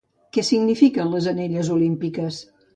Què signifiquen les anelles olímpiques?